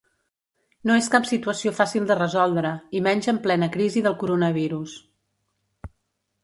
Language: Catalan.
No és cap situació fàcil de resoldre, i menys en plena crisi del coronavirus.